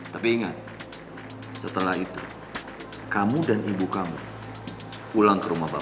tapi ingat setelah itu kamu dan ibu kamu pulang ke rumah bapak